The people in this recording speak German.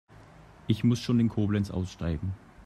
Ich muss schon in Koblenz aussteigen